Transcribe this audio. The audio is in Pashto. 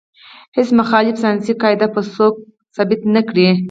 هیڅ مخالفه ساینسي قاعده به څوک ثابته نه کړي.